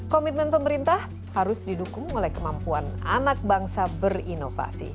komitmen pemerintah harus didukung oleh kemampuan anak bangsa berinovasi